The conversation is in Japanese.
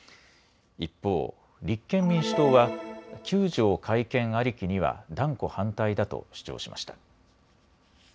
一方、立憲民主党は９条改憲ありきには断固反対だと主張しました。